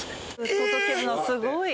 届けるのすごい。